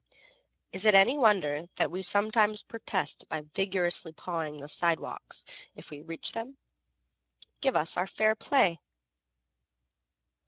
Is it any wonder we sometimes protest by vigorously pawing the sidewalks, if we can reach them? Give us fair play.